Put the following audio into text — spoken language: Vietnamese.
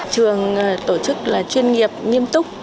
trường tổ chức là chuyên nghiệp nghiêm túc